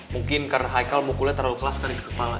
mungkin karena haikal mukulnya terlalu keras kali ke kepala